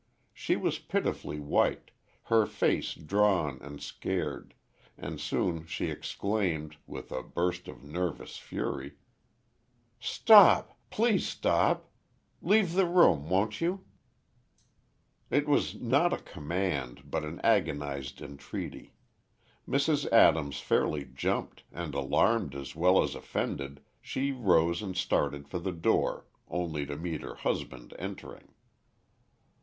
She was pitifully white, her face drawn and scared, and soon she exclaimed, with a burst of nervous fury, "Stop! please stop! Leave the room, won't you?" It was not a command but an agonized entreaty. Mrs. Adams fairly jumped, and alarmed as well as offended, she rose and started for the door, only to meet her husband entering.